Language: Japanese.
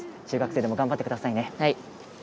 中学生でも頑張ってくださいね。